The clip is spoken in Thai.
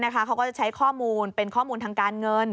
เขาก็จะใช้ข้อมูลเป็นข้อมูลทางการเงิน